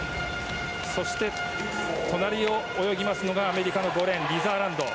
そして、隣を泳ぎますのがアメリカの５レーンリザーランド。